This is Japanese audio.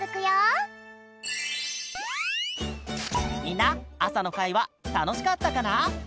みんなあさのかいはたのしかったかな？